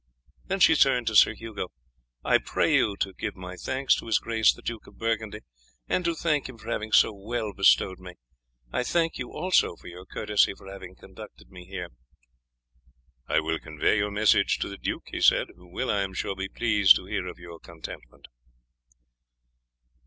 Then she turned to Sir Hugo: "I pray you to give my thanks to his grace the Duke of Burgundy, and to thank him for having so well bestowed me. I thank you also for your courtesy for having conducted me here." "I will convey your message to the duke," he said, "who will, I am sure, be pleased to hear of your contentment."